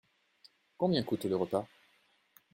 Combien coûte le repas ?